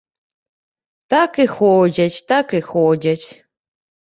Так і ходзяць, так і ходзяць.